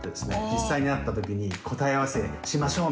実際に会った時に答え合わせしましょう！